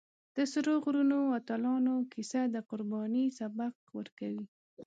د سرو غرونو اتلانو کیسه د قربانۍ سبق ورکوي.